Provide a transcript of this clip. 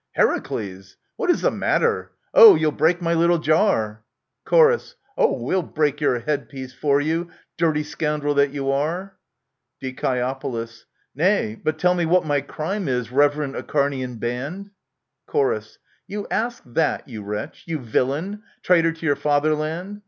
Heracles ! What is the matter ? Oh ! You'll break my little jar ! Chor. Oh, we'll break your headpiece for you, dirty scoun drel that you are ! Die. Nay, but tell me what my crime is, reverend Acharnian band. Chor. You ask that, you wretch, you villain ! traitor to your fatherland